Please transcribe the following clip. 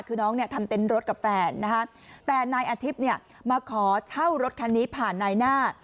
คือน้องทำเต็มรถกับแฟนแต่นายอธิบย์มาขอเช่ารถคันนี้ผ่านนายหน้า